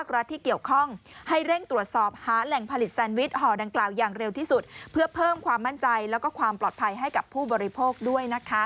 เร็วที่สุดเพื่อเพิ่มความมั่นใจและความปลอดภัยให้กับผู้บริโภคด้วยนะคะ